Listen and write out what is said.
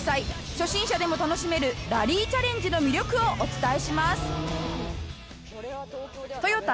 初心者でも楽しめるラリーチャレンジの魅力をお伝えします